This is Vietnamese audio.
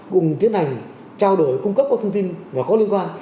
cùng tiến hành trao đổi cung cấp các thông tin và có liên quan